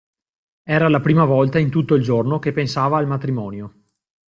Era la prima volta in tutto il giorno che pensava al matrimonio.